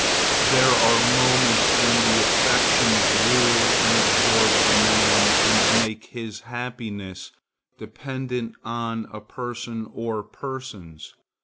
There are moments when the affections rule and absorb the man and make his happiness dependent on a person or persons.